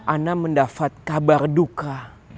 ana mendapat kabar duka